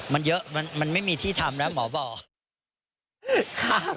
มันเยอะมันไม่มีที่ทำแล้วหมอบอก